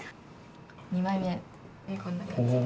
２枚目こんな感じで。